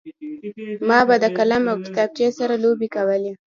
ما به د قلم او کتابچې سره لوبې کولې